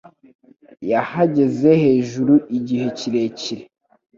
Yahagaze hejuru igihe kirekire.